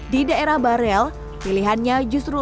di daerah bareo pilihannya justru luas